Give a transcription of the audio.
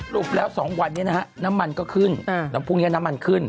ปแล้ว๒วันนี้นะฮะน้ำมันก็ขึ้นแล้วพรุ่งนี้น้ำมันขึ้น